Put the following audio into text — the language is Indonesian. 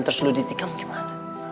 terus lu ditikam gimana